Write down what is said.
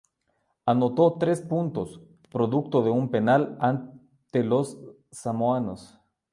Anotó tres puntos, producto de un penal ante los samoanos.